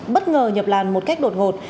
bất ngờ nhập làn một cách đột ngột